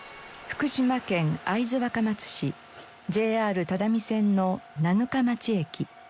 福島県会津若松市ＪＲ只見線の七日町駅。